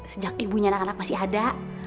sejak ibunya anak anak masih ada